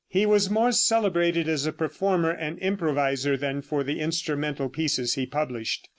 He was more celebrated as a performer and improviser than for the instrumental pieces he published.